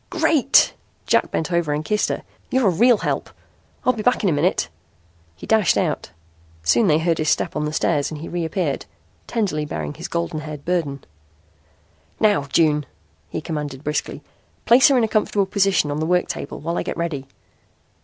"Great!" Jack bent over and kissed her. "You're a real help. I'll be back in a minute." He dashed out. Soon they heard his step on the stairs and he reappeared, tenderly bearing his golden haired burden. "Now, June," he commanded briskly, "place her in a comfortable position on the work table while I get ready."